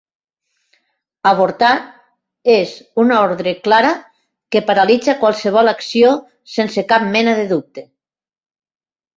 Avortar és una ordre clara, que paralitza qualsevol acció sense cap mena de dubte.